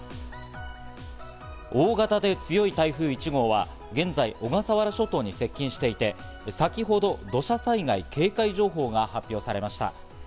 大型で強い台風１号は現在、小笠原諸島に接近していて、先ほど土砂災害警戒情報が発表されました。